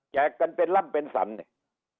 แกะกันเป็นร่ำเป็นสันเนี่ย